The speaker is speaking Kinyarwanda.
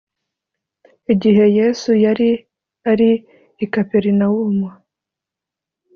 igihe yesu yari ari i kaperinawumu